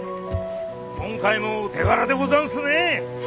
今回もお手柄でござんすね。